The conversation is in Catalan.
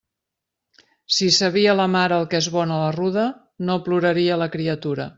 Si sabia la mare el que és bona la ruda, no ploraria la criatura.